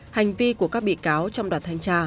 hành vi của các bị cáo trong đoàn thanh tra